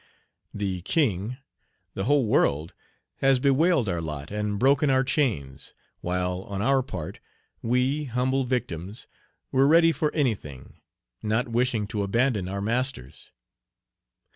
The king the whole world has bewailed our lot, and broken our chains; while, on our part, we, humble victims, were ready for anything, not wishing to abandon our masters.